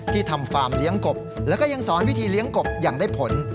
ทำฟาร์มเลี้ยงกบแล้วก็ยังสอนวิธีเลี้ยงกบอย่างได้ผล